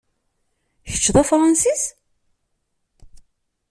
Kečč, d Afransis?